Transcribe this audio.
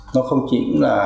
nó không chỉ là